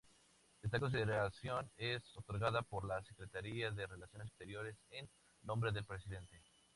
Esta condecoración es otorgada por la Secretaría de Relaciones Exteriores, en nombre del Presidente.